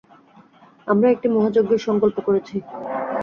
আমরা একটি মহাযজ্ঞের সঙ্কল্প করেছি।